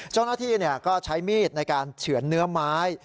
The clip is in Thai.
เจ้าหน้าที่ก็ใช้มีดในการเฉือนเนื้อไม้